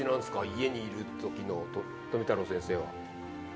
家にいる時の富太郎先生は。